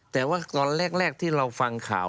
แต่ว่าตอนแรกที่เราฟังข่าว